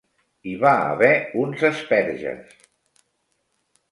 Hi va haver uns asperges!